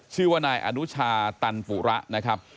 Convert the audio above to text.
ชื่อว่านายอนุชาตันปุระนะครับ